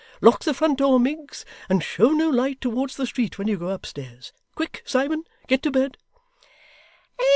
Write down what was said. Lock the front door, Miggs, and show no light towards the street when you go upstairs. Quick, Simon! Get to bed!